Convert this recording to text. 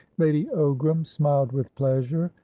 Lady Ogram smiled with pleasure.